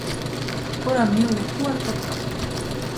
Kuram niule kuorta?